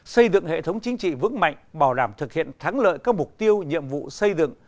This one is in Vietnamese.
xây dựng hệ thống chính trị vững mạnh bảo đảm thực hiện thắng lợi các mục tiêu nhiệm vụ xây dựng